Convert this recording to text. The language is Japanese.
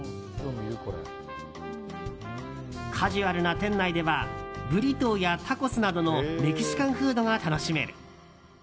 カジュアルな店内ではブリトーやタコスなどのメキシカンフードが楽しめる。